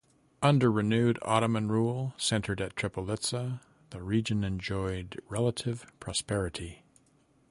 Under renewed Ottoman rule, centered at Tripolitsa, the region enjoyed relative prosperity.